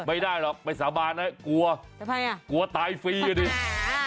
ไม่ได้หรอกไปสาบานไงกลัวแต่ไหนอ่ะกลัวตายฟรีอย่างนี้อ่า